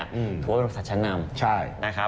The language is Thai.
ถูกว่าเป็นบริษัทโชนนำ